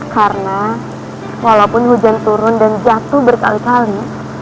karena walaupun hujan turun dan jatuh berkali kali